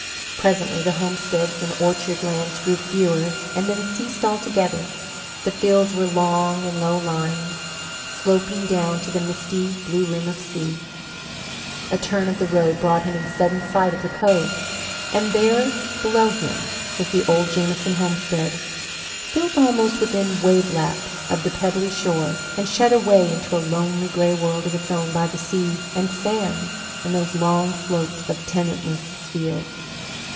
Presently the homesteads and orchard lands grew fewer and then ceased altogether. The fields were long and low lying, sloping down to the misty blue rim of sea. A turn of the road brought him in sudden sight of the Cove, and there below him was the old Jameson homestead, built almost within wave lap of the pebbly shore and shut away into a lonely grey world of its own by the sea and sands and those long slopes of tenantless fields.